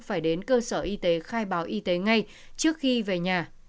phải đến cơ sở y tế khai báo y tế ngay trước khi về nhà